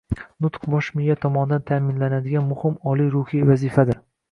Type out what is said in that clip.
Nutq – bosh miya tomonidan ta’minlanadigan muhim oliy ruhiy vazifadir